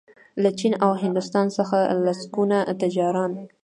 له چین او هندوستان څخه لسګونه تجاران